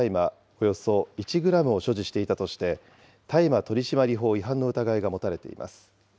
およそ１グラムを所持していたとして、大麻取締法違反の疑いが持たれています。